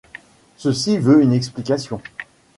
Ceci veut une explication.